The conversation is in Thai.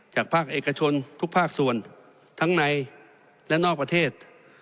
จากภาคเอกชนทุกภาคส่วนทั้งในและนอกประเทศ